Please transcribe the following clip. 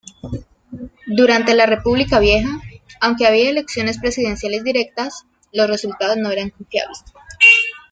Durante la República Vieja, aunque había elecciones presidenciales directas, los resultados no eran confiables.